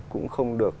cũng không được